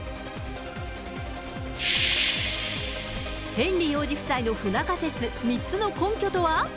ヘンリー王子夫妻の不仲説、３つの根拠とは？